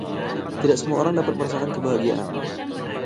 Tidak semua orang dapat merasakan kebahagiaan.